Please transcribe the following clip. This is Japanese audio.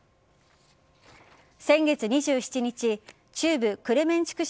先月２７日中部クレメンチュク